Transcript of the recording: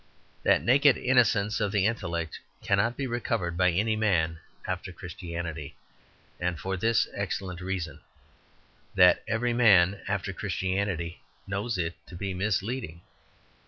That naked innocence of the intellect cannot be recovered by any man after Christianity; and for this excellent reason, that every man after Christianity knows it to be misleading.